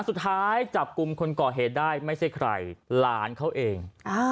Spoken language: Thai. สุดท้ายจับกลุ่มคนก่อเหตุได้ไม่ใช่ใครหลานเขาเอง